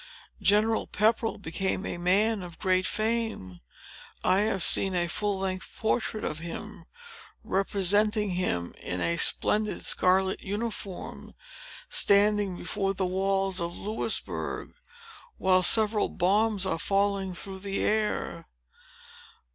General Pepperell became a man of great fame. I have seen a full length portrait of him, representing him in a splendid scarlet uniform, standing before the walls of Louisbourg, while several bombs are falling through the air."